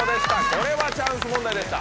これはチャンス問題でした。